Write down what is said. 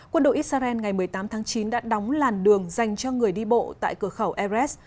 quân đội israel ngày một mươi tám tháng chín đã đóng làn đường dành cho người đi bộ tại cửa khẩu ares